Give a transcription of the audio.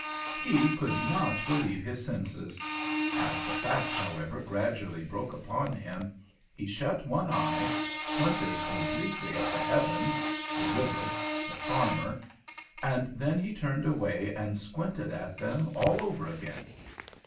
He could not believe his senses. As the facts, however, gradually broke upon him, he shut one eye, squinted obliquely at the heavens— the river—the farmer—and then he turned away and squinted at them all over again!